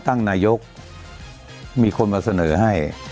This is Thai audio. นายกมีคนมาเสนอให้